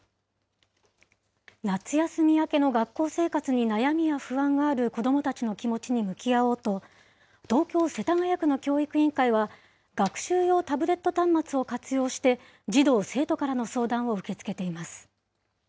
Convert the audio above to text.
夏休み明けの学校生活に悩みや不安がある子どもたちの気持ちに向き合おうと、東京・世田谷区の教育委員会は、学習用タブレット端末を活用して、児童・生徒からの相談を受け付けています。